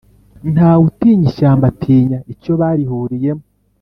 Ntawe utinya ishyamba ,atinya icyo barihuriyemo